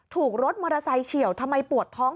ถูกรถมอเตอร์ไซค์เฉียวทำไมปวดท้อง